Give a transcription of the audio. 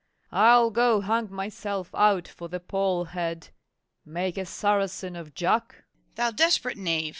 I'll go hang myself out for the Poll Head. Make a Saracen of Jack? MORRIS. Thou desperate knave!